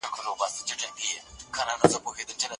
پټیږي که امي دی که مُلا په کرنتین کي